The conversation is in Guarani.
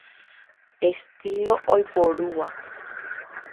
Estilo oiporúva.